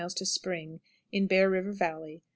Spring. In Bear River Valley.